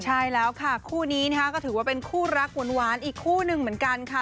ใช่แล้วค่ะคู่นี้นะคะก็ถือว่าเป็นคู่รักหวานอีกคู่หนึ่งเหมือนกันค่ะ